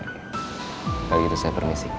kalau gitu saya permisi